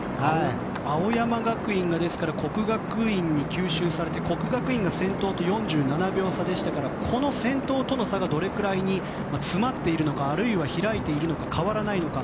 青山学院が國學院に吸収されて先頭と４７秒差でしたからこの先頭との差がどれくらいに詰まっているのかあるいは開いているのか変わらないのか。